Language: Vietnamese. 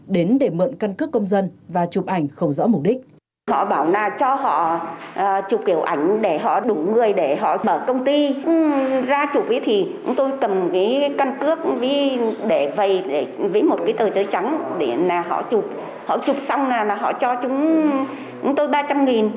đến để mượn căn cước công dân và chụp ảnh không rõ mục đích